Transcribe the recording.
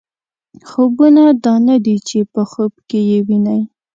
خوبونه دا نه دي چې په خوب کې یې وینئ.